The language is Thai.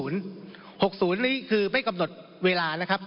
นี่คือไม่กำหนดเวลานะครับ